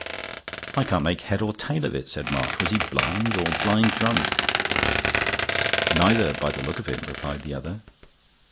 "I can't make head or tail of it," said March. "Was he blind? Or blind drunk?" "Neither, by the look of him," replied the other.